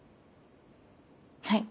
はい。